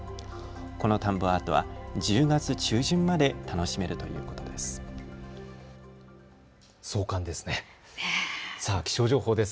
この田んぼアートは１０月中旬まで楽しめるということです。